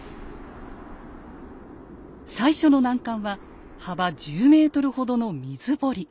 最初の難関は幅１０ｍほどの水堀。